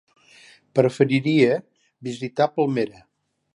Preferiria visitar Palmera.